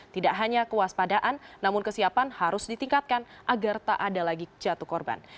tidak hanya kewaspadaan namun kesiapan harus ditingkatkan agar tak ada lagi jatuh korban